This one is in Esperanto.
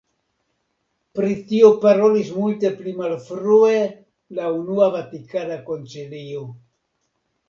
Pri tio parolis multe pli malfrue la Unua Vatikana Koncilio.